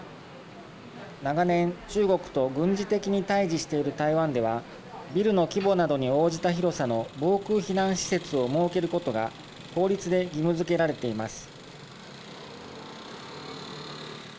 長年、中国と軍事的に対じしている台湾ではビルの規模などに応じた広さの防空避難施設を設けることが法律で義務づけられています。